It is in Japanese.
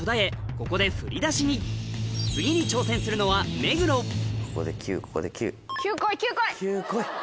ここで振り出しに次に挑戦するのは目黒９こい９こい！